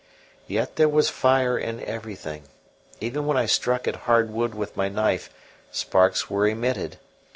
Yet there was fire in everything; even when I struck at hard wood with my knife, sparks were emitted.